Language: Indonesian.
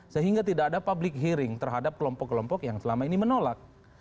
sehingga tidak ada public hearing terhadap kelompok kelompok yang selama ini menolak